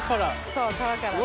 そう皮から。